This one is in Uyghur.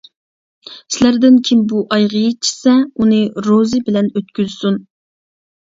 سىلەردىن كىم بۇ ئايغا يېتىشسە، ئۇنى روزى بىلەن ئۆتكۈزسۇن.